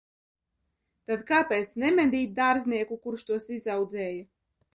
Tad kāpēc nemedīt dārznieku, kurš tos izaudzēja?